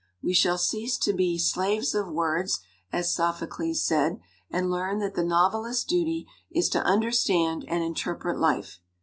We shall cease to be 'slaves of words/ as Sophocles said, and learn that the novelist's duty is to understand and interpret life.